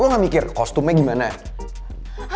lo gak mikir kostumnya gimana